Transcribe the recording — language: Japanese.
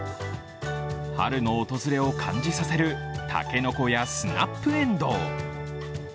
春の訪れを感じさせる、たけのこやスナップエンドウ。